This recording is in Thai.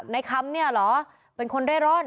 ในคำเนี่ยเหรอเป็นคนเร่ร่อน